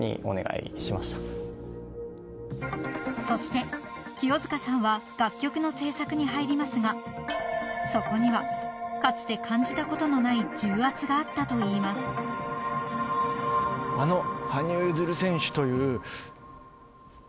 ［そして清塚さんは楽曲の制作に入りますがそこにはかつて感じたことのない重圧があったといいます］えっ！？